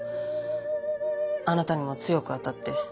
あなたにも強く当たって。